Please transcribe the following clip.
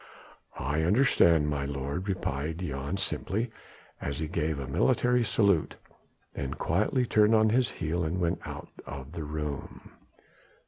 "I understand, my lord," replied Jan simply as he gave a military salute, then quietly turned on his heel and went out of the room.